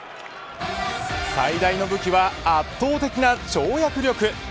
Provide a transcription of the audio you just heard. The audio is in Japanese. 最大の武器は圧倒的な跳躍力。